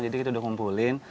jadi kita sudah kumpulin